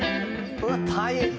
うわ大変！